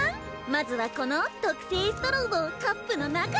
まずはこの特製ストローをカップの中へ！